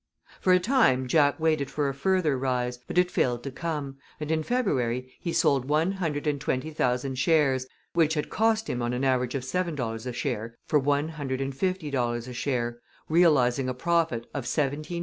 For a time Jack waited for a further rise, but it failed to come, and in February he sold one hundred and twenty thousand shares, which had cost him on an average of $7 a share, for $150 a share, realizing a profit of $17,160,000.